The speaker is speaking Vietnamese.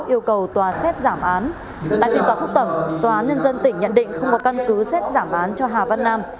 yêu cầu tòa xét giảm án tại phiên tòa phúc thẩm tòa án nhân dân tỉnh nhận định không có căn cứ xét giảm án cho hà văn nam